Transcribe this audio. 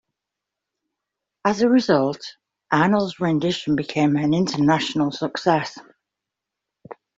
As a result, Arnold's rendition became an international success.